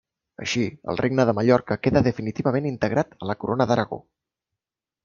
Així, el regne de Mallorca queda definitivament integrat a la Corona d'Aragó.